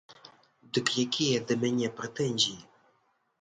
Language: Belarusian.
Дык якія да мяне прэтэнзіі?